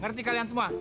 ngerti kalian semua